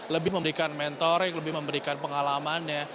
lebih memberikan mentorik lebih memberikan pengalamannya